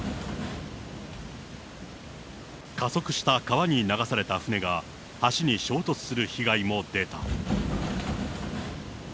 加速した川に流された船が、橋に衝突する被害も出た。